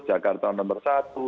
jakarta nomor satu